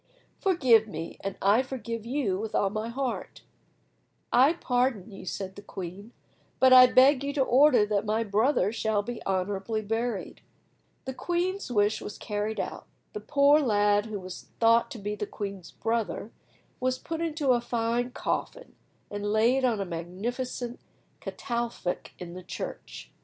Forgive me, and I forgive you with all my heart." "I pardon you," said the queen, "but I beg you to order that my brother shall be honourably buried." The queen's wish was carried out. The poor lad, who was thought to be the queen's brother, was put in a fine coffin, and laid on a magnificent catafalque in the church.